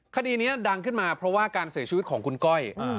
คดีนี้ดังขึ้นมาเพราะว่าการเสียชีวิตของคุณก้อย